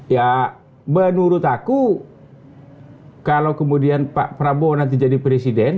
ya menurut aku kalau kemudian pak prabowo nanti jadi presiden